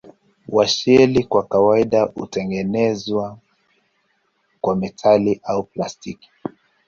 Washeli kwa kawaida hutengenezwa kwa metali au plastiki.